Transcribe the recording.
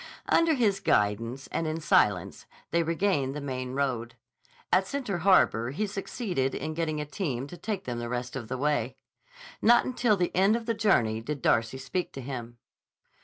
Under his guidance and in silence they regained the main road. At Center Harbor he succeeded in getting a team to take them the rest of the way. Not until the end of the journey did Darcy speak to him.